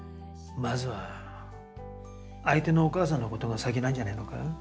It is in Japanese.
まずは相手のお母さんのことが先なんじゃねえのか？